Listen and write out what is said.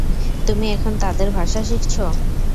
তুমি এখন তাদের ভাষা শিখছ?